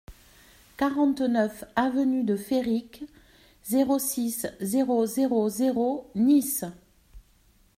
quarante-neuf avenue de Féric, zéro six, zéro zéro zéro, Nice